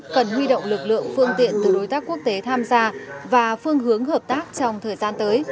cần huy động lực lượng phương tiện từ đối tác quốc tế tham gia và phương hướng hợp tác trong thời gian tới